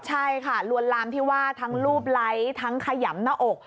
ใช่ค่ะลวนลามที่ว่าทั้งรูปไลค์ทั้งขยำหน้าอก